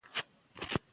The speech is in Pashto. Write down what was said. ټولنه به پرمختګ وکړي.